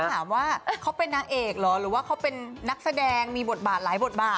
ถามว่าเขาเป็นนางเอกเหรอหรือว่าเขาเป็นนักแสดงมีบทบาทหลายบทบาท